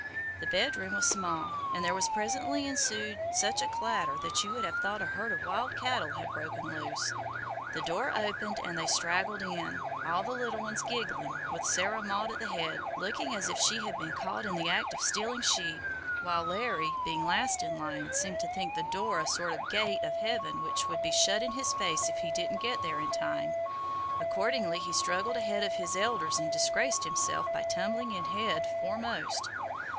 The bed room was small, and there presently ensued such a clatter that you would have thought a herd of wild cattle had broken loose; the door opened, and they straggled in, all the little ones giggling, with Sarah Maud at the head, looking as if she had been caught in the act of stealing sheep; while Larry, being last in line, seemed to think the door a sort of gate of heaven which would be shut in his face if he didn't get there in time; accordingly he struggled ahead of his elders and disgraced himself by tumbling in head foremost.